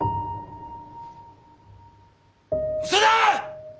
嘘だ！